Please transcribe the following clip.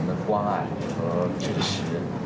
มีความสัยมีความสัย